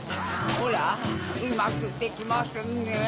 ホラうまくできませんねぇ。